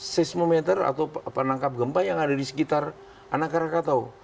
seismometer atau penangkap gempa yang ada di sekitar anak rakatau